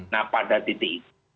nah pada titik